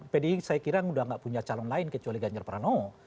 pdi saya kira sudah tidak punya calon lain kecuali ganjar pranowo